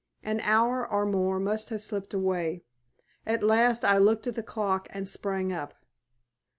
An hour or more must have slipped away. At last I looked at the clock and sprang up.